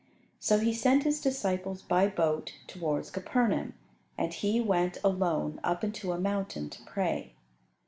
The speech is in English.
So He sent His disciples by boat towards Capernaum, and He went, alone, up into a mountain to pray.